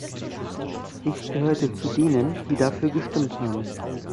Ich gehörte zu denen, die dafür gestimmt haben.